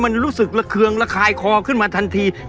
มันรู้สึกระเคืองระคายคอขึ้นมาทันที